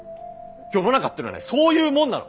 世の中ってのはねそういうもんなの！